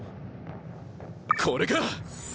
これか！